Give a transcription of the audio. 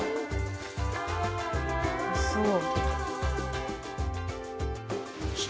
おいしそう。